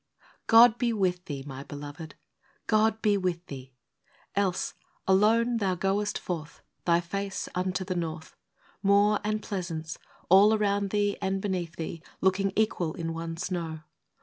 OD be with thee, my beloved, — God be with thee ! Else, alone thou goest forth, Thy face unto the north, — Moor and pleasance, all around thee and beneath thee, Looking equal in one snow